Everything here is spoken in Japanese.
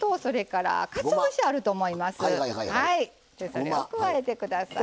それを加えて下さい。